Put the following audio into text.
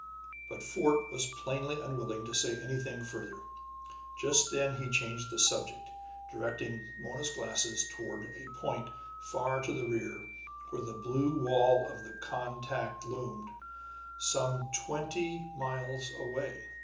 But Fort was plainly unwilling to say anything further just then; he changed the subject, directing Mona's glasses toward a point far to the rear, where the blue wall of the contact loomed, some twenty miles away.